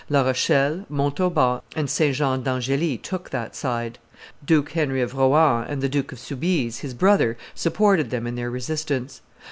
La Rochelle, Montauban, and St. Jean d'Angely took that side. Duke Henry of Rohan and the Duke of Soubise, his brother, supported them in their resistance.